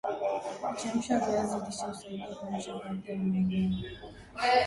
Kuchemsha viazi lishe husaidia kuamsha baadhi ya vimengenya